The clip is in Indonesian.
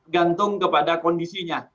gantung kepada kondisinya